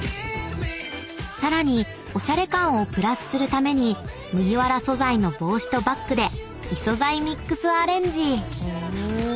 ［さらにおしゃれ感をプラスするために麦わら素材の帽子とバッグで異素材ミックスアレンジ］